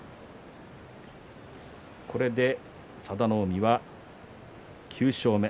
これで佐田の海は９勝目。